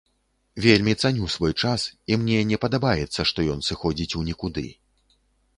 Вельмі цаню свой час, і мне не падабаецца, што ён сыходзіць у нікуды.